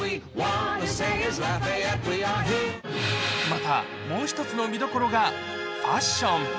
またもう一つの見どころがファッション。